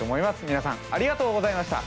みなさんありがとうございました。